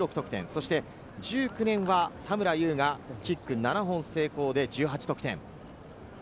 そして１９年は田村優がキック７本の成功で１８得点。